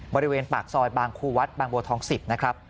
บริเวณปากซอยบางครูวัดบางบัวทอง๑๐นะครับ